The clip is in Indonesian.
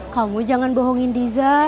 kamu jangan bohongin diza